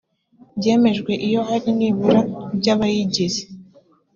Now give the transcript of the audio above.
byemejwe iyo hari nibura by abayigize